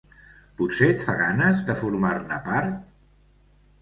Potser et fa ganes de formar-ne part?